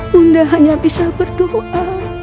bunda hanya bisa berdoa